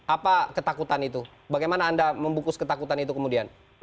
apa ketakutan itu bagaimana anda membukus ketakutan itu kemudian